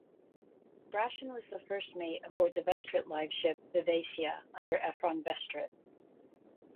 Brashen was the first mate aboard the Vestrit liveship Vivacia under Ephron Vestrit.